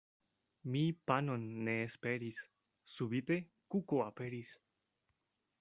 Mi panon ne esperis, subite kuko aperis.